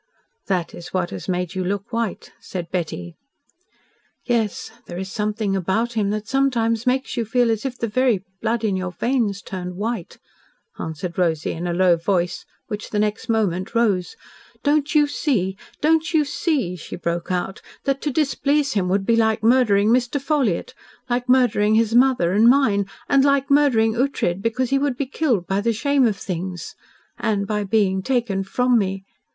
"That is what has made you look white," said Betty. "Yes. There is something about him that sometimes makes you feel as if the very blood in your veins turned white," answered Rosy in a low voice, which the next moment rose. "Don't you see don't you see," she broke out, "that to displease him would be like murdering Mr. Ffolliott like murdering his mother and mine and like murdering Ughtred, because he would be killed by the shame of things and by being taken from me.